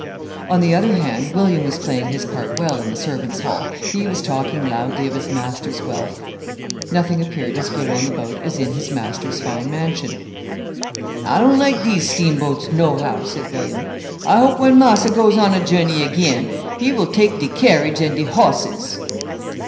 On the other hand, William was playing his part well in the servants' hall; he was talking loudly of his master's wealth. Nothing appeared as good on the boat as in his master's fine mansion. "I don't like dees steam boats no how," said William; "I hope when marser goes on a journey agin he will take de carriage and de hosses."